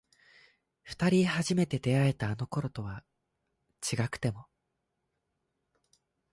二人初めて出会えたあの頃とは違くても